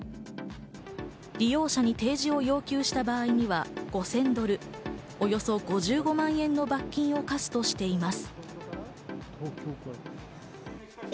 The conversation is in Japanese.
利用者に提示を要求した場合には５０００ドル、およそ５５万円の罰金を科すとしています。